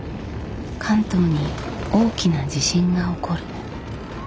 関東に大きな地震が起こる。